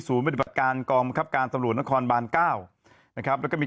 ศูนย์บริบัติการกองบังคับการตำรวจนครบาน๙นะครับแล้วก็มี